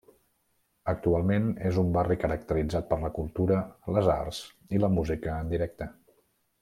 Actualment és un barri caracteritzat per la cultura, les arts, i la música en directe.